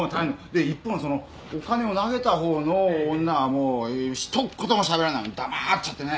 で一方のそのお金を投げたほうの女はもうひと言もしゃべらない黙っちゃってね。